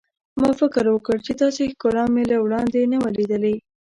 ما فکر وکړ چې داسې ښکلا مې له وړاندې نه وه لیدلې.